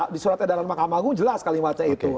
di surat edaran mahkamah agung jelas kalimatnya itu